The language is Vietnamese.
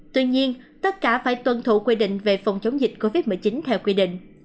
tuy nhiên tất cả phải tuân thủ quy định về phòng chống dịch covid một mươi chín theo quy định